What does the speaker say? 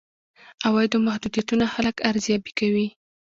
عوایدو محدودیتونه خلک ارزيابي کوي.